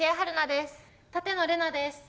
舘野伶奈です。